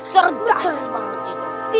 cerdas banget itu